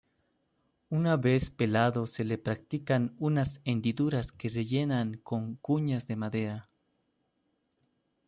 Una vez pelado se le practican unas hendiduras que rellenan con cuñas de madera.